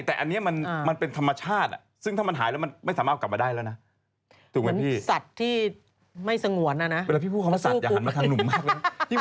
ทางหนุ่มมากเลยพี่พูดว่าสัตว์แล้วพี่พูดแรงแล้วพี่ก็ชอบหามาทางหน้าผมเนี่ย